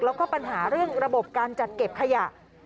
แล้วก็ปัญหาเรื่องระบบการจัดเก็บขยะ